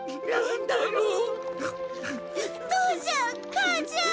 母ちゃん！